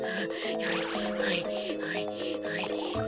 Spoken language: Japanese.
はいはいはいはい。